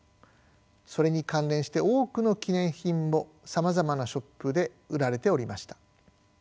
それに関連して多くの記念品もさまざまなショップで売られておりました。